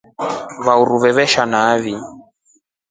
Uhuru avamsha nai.